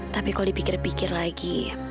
tapi kalau dipikir pikir lagi